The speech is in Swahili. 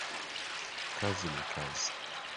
Kazi ni kazi